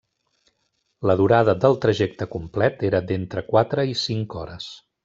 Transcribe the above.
La durada del trajecte complet era d'entre quatre i cinc hores.